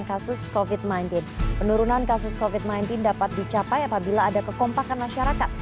kasus kofit mainin penurunan kasus kofit mainin dapat dicapai apabila ada kekompakan masyarakat